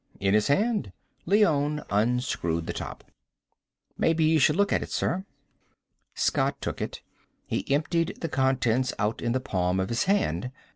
"In his hand." Leone unscrewed the top. "Maybe you should look at it, sir." Scott took it. He emptied the contents out in the palm of his hand.